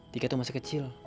tika tuh masih kecil